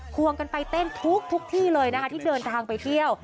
ควงกันไปเต้นทุกที่เลยนะคะที่เดินทางไปเที่ยว